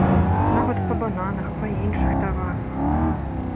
Нават па бананах, па іншых таварах.